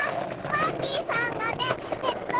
マーキーさんがねえっと。